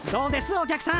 お客さん。